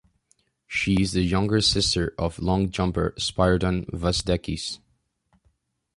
She is the younger sister of long jumper Spyridon Vasdekis.